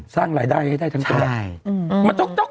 ไปใช้ที่ริมโขง